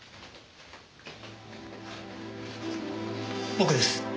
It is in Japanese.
僕です。